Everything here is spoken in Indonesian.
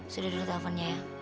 sudah udah teleponnya